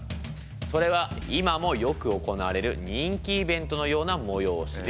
それは今もよく行われる人気イベントのような催しです。